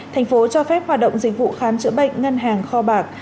thành phố cho phép hoạt động dịch vụ khám chữa bệnh ngân hàng kho bạc